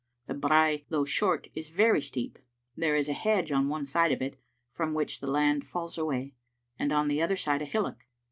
The brae, though short, is very steep. There is a hedge on one side of it, from which the land falls away, und Qp the other side a hillock.